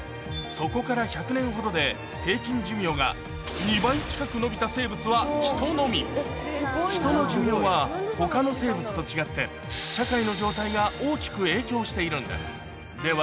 そこから１００年ほどで平均寿命が２倍近く延びた生物はヒトのみヒトの寿命は他の生物と違って社会の状態が大きく影響しているんですでは